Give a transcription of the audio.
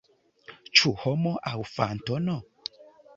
Ĉu homo aŭ fantomo?